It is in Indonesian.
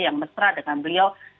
yang mesra dengan beliau